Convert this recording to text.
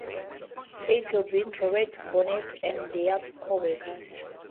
A. Ogloblin, Roberto Bonetti, and their coworkers.